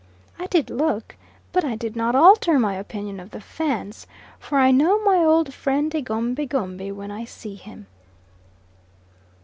I did look, but I did not alter my opinion of the Fans, for I know my old friend egombie gombie when I see him.